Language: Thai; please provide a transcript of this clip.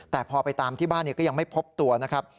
แต่พอไปตามที่บ้านก็ยังไม่พบตัวนะครับ